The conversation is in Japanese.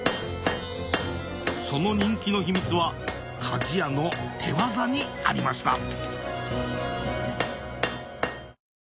その人気の秘密は鍛冶屋の手業にありました